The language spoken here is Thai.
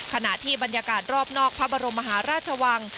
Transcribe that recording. ขณะที่บรรยากาศรอบนอกพระบรมมหาราชวัง